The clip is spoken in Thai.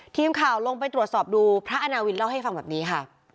ทีมข่าวลงไปตรวจสอบดูพระอาณาวินเล่าให้ฟังแบบนี้ค่ะ